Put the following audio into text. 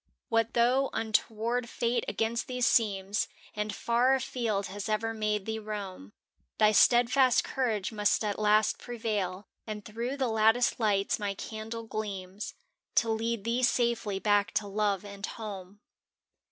What though untoward Fate against thee seems And far afield has ever made thee roam? Thy steadfast courage must at last pre vail, And through the lattice lights my can dle gleams To lead thee safely back to love and home.